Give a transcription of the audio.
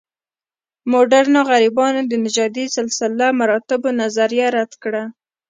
مډرنو غربیانو د نژادي سلسله مراتبو نظریه رد کړه.